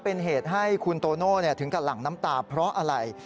เป็นเหตุให้คุณโตโน่ถึงกับหลั่งน้ำตาเพราะอะไร